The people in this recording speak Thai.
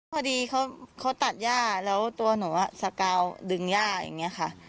พอดีเขาตัดย่าแล้วตัวหนูสกาวดึงย่าอย่างนี้ค่ะ